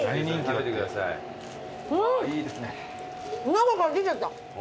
中から出ちゃった。